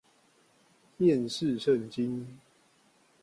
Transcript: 面試聖經